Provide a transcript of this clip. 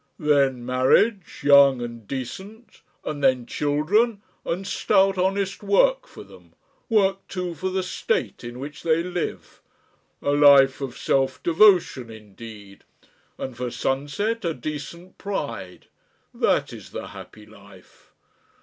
"Then marriage, young and decent, and then children and stout honest work for them, work too for the State in which they live; a life of self devotion, indeed, and for sunset a decent pride that is the happy life.